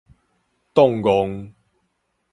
凍戇